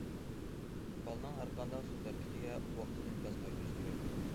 بالىنىڭ ھەرقانداق سۆز- ھەرىكىتىگە ۋاقتىدا ئىنكاس قايتۇرۇش كېرەك.